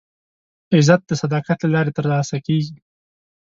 عزت د صداقت له لارې ترلاسه کېږي.